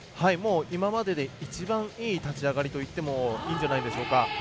今までで一番いい立ち上がりといってもいいんじゃないでしょうか。